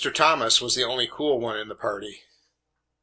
Thomas was the only cool one in the party.